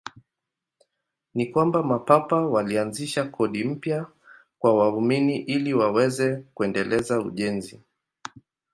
Ni kwamba Mapapa walianzisha kodi mpya kwa waumini ili waweze kuendeleza ujenzi.